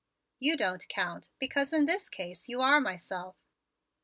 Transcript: You don't count, because in this case you are myself."